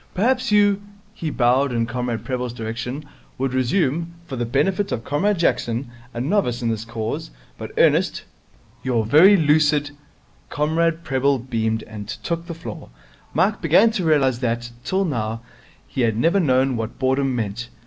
Perhaps you' he bowed in Comrade Prebble's direction 'would resume, for the benefit of Comrade Jackson a novice in the Cause, but earnest your very lucid ' Comrade Prebble beamed, and took the floor. Mike began to realize that, till now, he had never known what boredom meant.